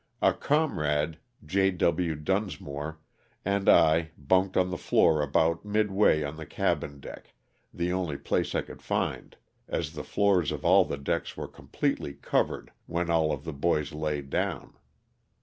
A comrade, J. W. Dunsmore, and I bunked on the floor about midway on the cabin deck, the only place I could find as the floors of all the decks were completely covered when all of the boys laid down.